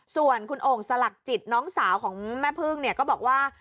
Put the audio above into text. ส่วนคุณโอ่งสลักจิตน้องสาวของแม่พึ่งเนี่ยก็บอกว่า